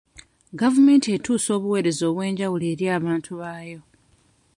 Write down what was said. Gavumenti etuusa obuweereza obw'enjawulo eri abantu baayo.